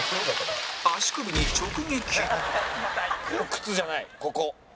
靴じゃないここ。